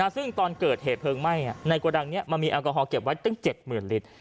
ซึ่งตอนเกิดเหตุเพลิงไหม้ในกระดังนี้มันมีแอลกอฮอลเก็บไว้ตั้ง๗๐๐ลิตร